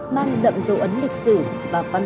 long xinh hoa cứu kind of heavy rain